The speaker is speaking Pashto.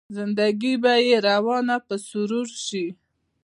زنده ګي به يې روانه په سرور شي